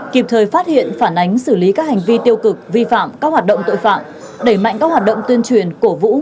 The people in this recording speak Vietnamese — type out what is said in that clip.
kịp thời phát hiện phản ánh xử lý các hành vi tiêu cực vi phạm các hoạt động tội phạm đẩy mạnh các hoạt động tuyên truyền cổ vũ